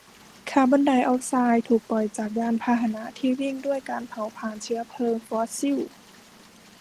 คาร์บอนไดออกไซด์ถูกปล่อยจากยานพาหนะที่วิ่งด้วยการเผาพลาญเชื้อเพลิงฟอสซิล